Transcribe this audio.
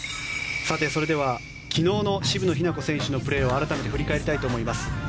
それでは昨日の渋野日向子選手のプレーを改めて振り返りたいと思います。